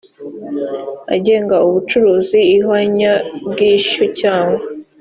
agenga ubucuruzi ihwanyabwishyu cyangwa